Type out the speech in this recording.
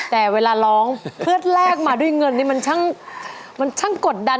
แต่เวลาร้องเพื่อแลกมาด้วยเงินนี่มันช่างมันช่างกดดัน